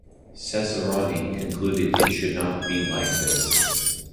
Cesarani concluded It should not be like this.